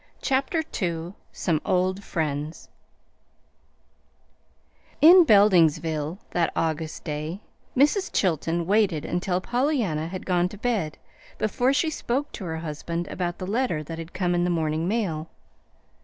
CHAPTER II SOME OLD FRIENDS In Beldingsville that August day, Mrs. Chilton waited until Pollyanna had gone to bed before she spoke to her husband about the letter that had come in the morning mail.